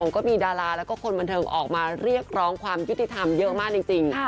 ก็มีดาราแล้วก็คนบันเทิงออกมาเรียกร้องความยุติธรรมเยอะมากจริง